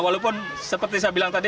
walaupun seperti saya bilang tadi